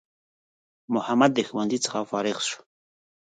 محمد د ښوونځی څخه فارغ سو